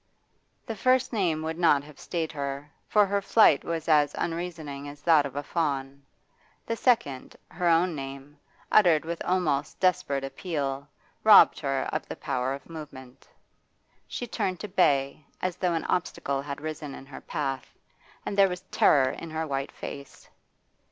The first name would not have stayed her, for her flight was as unreasoning as that of a fawn. The second, her own name, uttered with almost desperate appeal, robbed her of the power of movement. She turned to bay, as though an obstacle had risen in her path, and there was terror in her white face.